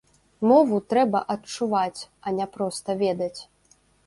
Мову трэба адчуваць, а не проста ведаць.